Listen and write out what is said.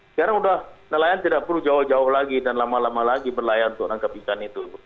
sekarang sudah nelayan tidak perlu jauh jauh lagi dan lama lama lagi berlayar untuk menangkap ikan itu